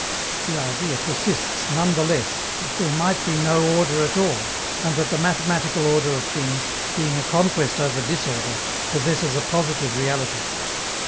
The idea persists, none the less, that there might be no order at all, and that the mathematical order of things, being a conquest over disorder, possesses a positive reality.